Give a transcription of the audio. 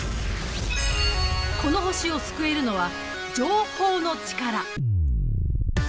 この星を救えるのは情報のチカラ。